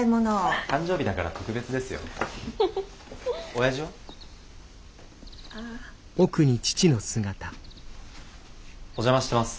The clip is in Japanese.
お邪魔してます。